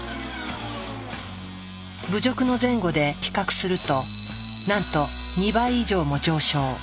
侮辱の前後で比較するとなんと２倍以上も上昇。